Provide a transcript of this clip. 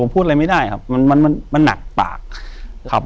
อยู่ที่แม่ศรีวิรัยิลครับ